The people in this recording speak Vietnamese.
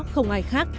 không ai khác